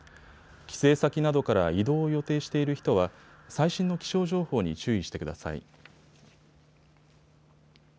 帰省先などから移動を予定している人は最新の気象情報に注意してください。